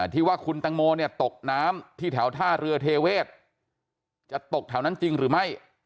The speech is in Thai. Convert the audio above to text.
ที่ว่าคุณตังโมเนี่ยตกน้ำที่แถวท่าเรือเทเวศจะตกแถวนั้นจริงหรือไม่